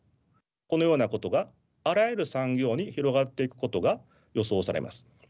このようなことがあらゆる産業に広がっていくことが予想されます。